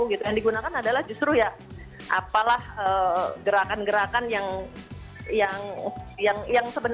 yang digunakan adalah justru ya apalah gerakan gerakan yang sebenarnya tidak bermanfaat